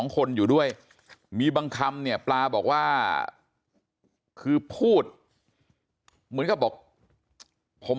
คนอยู่ด้วยมีบางคำเนี่ยปลาบอกว่าคือพูดเหมือนกับบอกผม